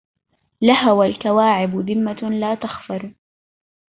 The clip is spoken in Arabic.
لهوى الكواعب ذمة لا تخفر